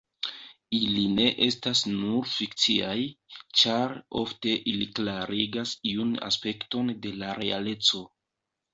Ili ne estas nur fikciaj, ĉar ofte ili klarigas iun aspekton de la realeco.